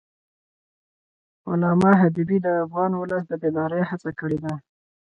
علامه حبیبي د افغان ولس د بیدارۍ هڅه کړې ده.